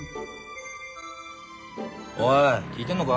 おい聞いてんのか？